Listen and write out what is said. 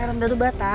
air rendah tuh bata